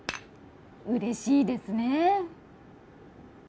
うれしいですね！